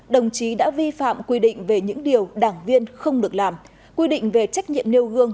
đồng chí đã vi phạm quy định về những điều đảng viên không được làm quy định về trách nhiệm nêu gương